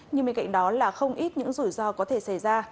nhưng bên cạnh đó là không ít những rủi ro có thể xảy ra